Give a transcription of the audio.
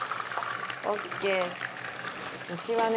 うちはね